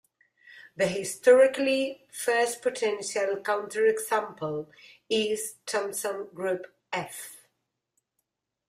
The historically first potential counterexample is Thompson group "F".